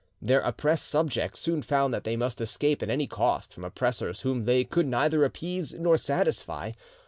Their oppressed subjects soon found that they must escape at any cost from oppressors whom they could neither appease nor satisfy.